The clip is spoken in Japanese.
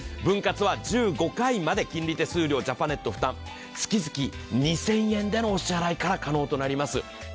１５回まで金利手数料ジャパネット負担、月々２０００円からのお支払い可能となります。